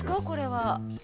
これは。